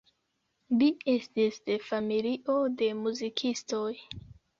Li estis de familio de muzikistoj.